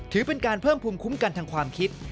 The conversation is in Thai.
ถือเป็นการเพิ่มภูมิคุ้มกันทางความคิด